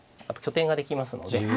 あと拠点ができますので。